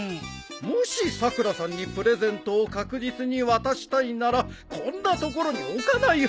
もしさくらさんにプレゼントを確実に渡したいならこんな所に置かないはずです！